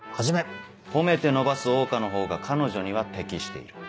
褒めて伸ばす桜花のほうが彼女には適している。